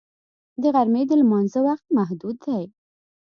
د غرمې د لمانځه وخت محدود دی